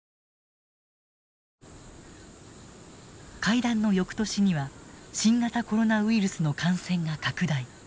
会談の翌年には新型コロナウイルスの感染が拡大。